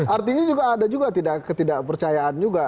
artinya juga ada juga ketidakpercayaan juga